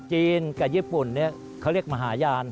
จีนกับญี่ปุ่นเนี่ยเขาเรียกมหาญาณ